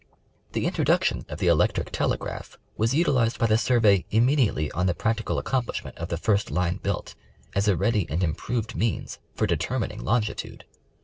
The introduction of the Electric Telegraph was utilized by the Survey immediately on the practical accomplishment of the first line built, as a ready and improved means for determining longi tude.